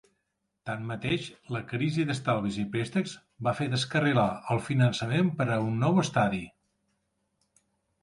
Tanmateix, la crisi d'estalvis i préstecs va fer descarrilar el finançament per a un nou estadi.